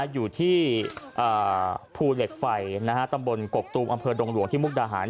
อยู่ที่ภูเหล็กไฟตำบลกกตูมอำเภอดงหลวงที่มุกดาหาร